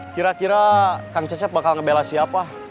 kira kira kang cecep bakal ngebela siapa